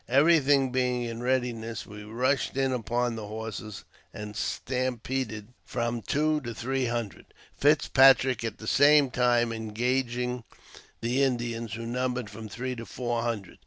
Everything being in readiness, we rushed in upon the horses, and stampeded from two to three hundred, Fitzpatrick at the same time engaging the Indians, who numbered from three to four hundred.